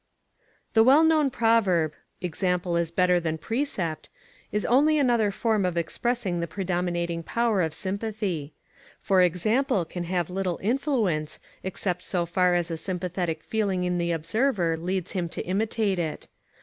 The well known proverb, "Example is better than precept," is only another form of expressing the predominating power of sympathy; for example can have little influence except so far as a sympathetic feeling in the observer leads him to imitate it.